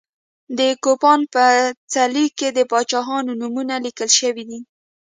د کوپان په څلي کې د پاچاهانو نومونه لیکل شوي دي.